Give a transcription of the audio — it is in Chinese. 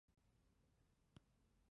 各卷皆有细目。